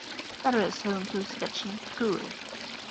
Barre is home to Stetson School.